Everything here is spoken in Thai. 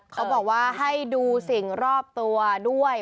เขาบอกว่าให้ดูสิ่งรอบตัวด้วย